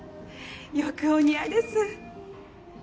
よくお似合いです